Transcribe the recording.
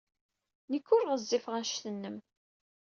Nekk ur ɣezzifeɣ anect-nnem.